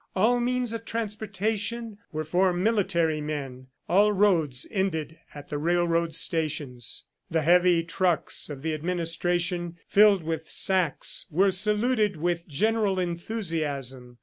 All means of transportation were for military men, all roads ended at the railroad stations. The heavy trucks of the administration, filled with sacks, were saluted with general enthusiasm.